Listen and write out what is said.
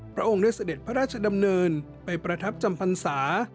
พระองค์ได้เสด็จพระราชดำเนินไปประทับจำพรรษา